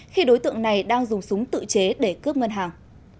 khi đối tượng này đang dùng súng tự chế để cướp ngân hàng